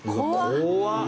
怖っ！